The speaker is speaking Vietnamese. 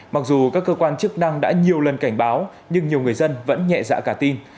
mặc dù các cơ quan chức năng đã nhiều lần cảnh báo nhưng nhiều người dân vẫn nhẹ dạ cả tin